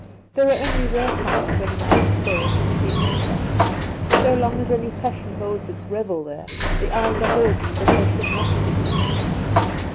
There are only rare times when a man's soul can see Nature. So long as any passion holds its revel there, the eyes are holden that they should not see her.